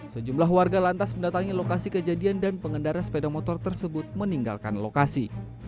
sejumlah warga lantas mendatangi lokasi kejadian dan pengendara sepeda motor tersebut meninggalkan lokasi